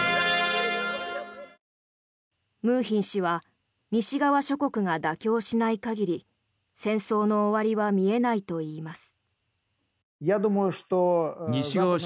ムーヒン氏は西側諸国が妥協しない限り戦争の終わりは見えないといいます。